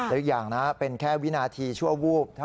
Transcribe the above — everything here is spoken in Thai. และอีกอย่างนะเป็นแค่วินาทีชั่ววูบ